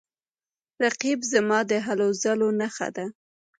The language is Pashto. رقیب زما د هلو ځلو نښه ده